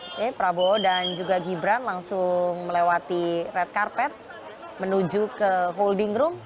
oke prabowo dan juga gibran langsung melewati red carpet menuju ke holding room